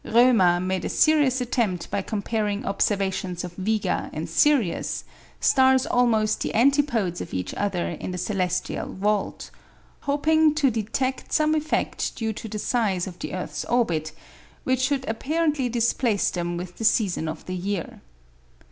Roemer made a serious attempt by comparing observations of Vega and Sirius, stars almost the antipodes of each other in the celestial vault; hoping to detect some effect due to the size of the earth's orbit, which should apparently displace them with the season of the year.